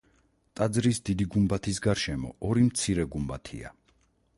ტაძრის დიდი გუმბათის გარშემო ორი მცირე გუმბათია.